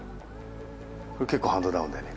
結構ハンドダウンだよね。